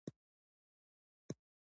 هلته مې د منتقدینو څېړنې او موندنې راپور کړې.